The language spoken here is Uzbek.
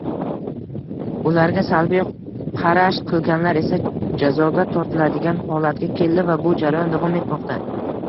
ularga salbiy qarash qilganlar esa jazoga tortiladigan holatga keldi va bu jarayon davom etmoqda.